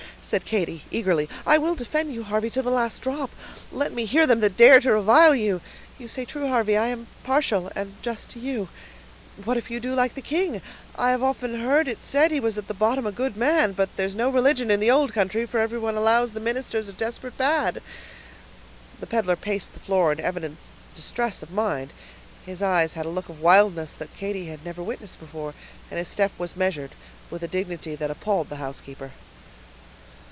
said Katy, eagerly. "I will defend you, Harvey, to the last drop; let me hear them that dare to revile you! You say true, Harvey, I am partial and just to you; what if you do like the king? I have often heard it said he was at the bottom a good man; but there's no religion in the old country, for everybody allows the ministers are desperate bad!" The peddler paced the floor in evident distress of mind; his eyes had a look of wildness that Katy had never witnessed before, and his step was measured, with a dignity that appalled the housekeeper.